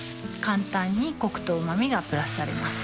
簡単にコクとうま味がプラスされます